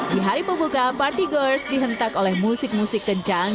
di hari pembuka party gors dihentak oleh musik musik kencang